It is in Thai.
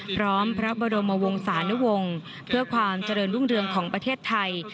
พระบรมวงศานุวงศ์เพื่อความเจริญรุ่งเรืองของประเทศไทย